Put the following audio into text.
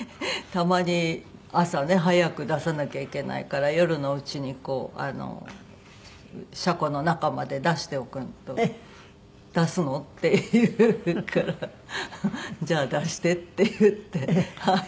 たまに朝ね早く出さなきゃいけないから夜のうちに車庫の中まで出しておくと「出すの？」って言うから「じゃあ出して」って言って。